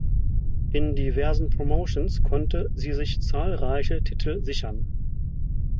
In diversen Promotions konnte sie sich zahlreiche Titel sichern.